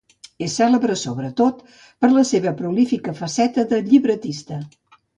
És cèlebre sobretot per la seva prolífica faceta de llibretista.